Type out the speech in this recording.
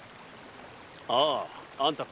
あああんたか。